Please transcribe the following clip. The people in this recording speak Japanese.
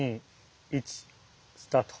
３２１スタート。